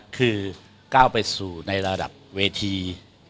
คือก้าวไปสู่ในระดับเวที